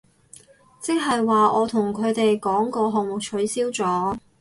即係話我同佢哋講個項目取消咗